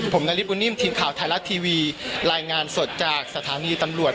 ผมนาริสบุญนิ่มทีมข่าวไทยรัฐทีวีรายงานสดจากสถานีตำรวจ